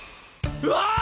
うわ！